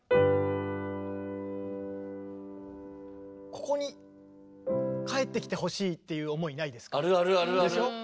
ここにかえってきてほしいっていう思いないですか？